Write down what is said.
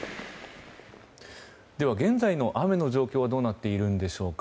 現在の雨の状況はどうなっているのでしょうか。